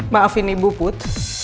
maafin ibu put